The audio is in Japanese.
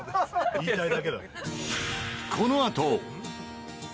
言いたいだけだろ。